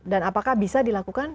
dan apakah bisa dilakukan